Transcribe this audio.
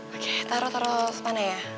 oke taruh terus mana ya